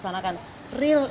itu langsung terlaksanakan